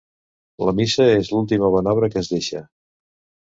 La missa és l'última bona obra que es deixa.